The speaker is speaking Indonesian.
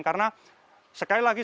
karena sekali lagi saya tegak